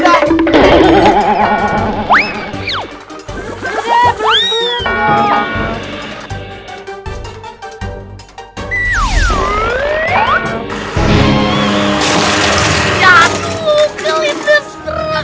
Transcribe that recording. hai hai hai hai hai hai hai hai hai hai hati hati kau itu bener bener